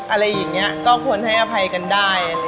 อะไรอย่างนี้ก็ควรให้อภัยกันได้